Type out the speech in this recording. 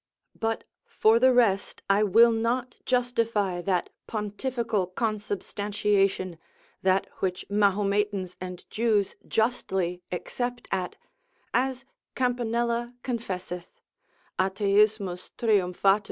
But for the rest I will not justify that pontificial consubstantiation, that which Mahometans and Jews justly except at, as Campanella confesseth, Atheismi triumphat.